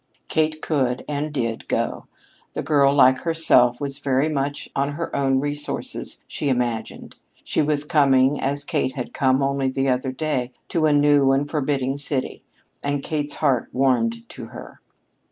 Kate could and did go. This girl, like herself, was very much on her own resources, she imagined. She was coming, as Kate had come only the other day, to a new and forbidding city, and Kate's heart warmed to her.